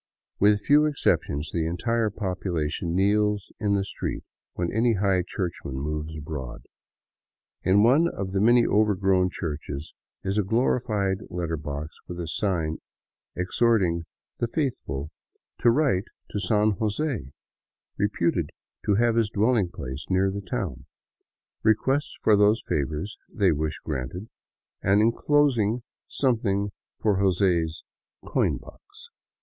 With few exceptions the entire population kneels in the street when any high churchman moves abroad. In one of the many over grown churches is a glorified letter box with a sign exhorting the " faithful " to write to San Jose, reputed to have his dwelling place near the town, requests for those favors they wish granted, and en closing something for Jose's coin box.